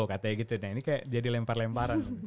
katanya gitu nah ini kayak jadi lempar lemparan